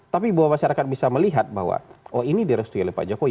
tapi bahwa masyarakat bisa melihat bahwa oh ini direstui oleh pak jokowi